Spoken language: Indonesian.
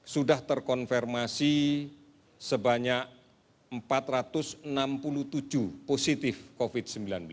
sudah terkonfirmasi sebanyak empat ratus enam puluh tujuh positif covid sembilan belas